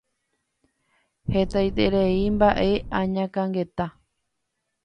Hetaiterei mba'e añakãngeta